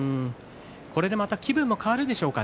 これでまた気分も変わるでしょうかね。